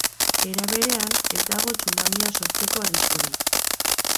Era berean, ez dago tsunamia sortzeko arriskurik.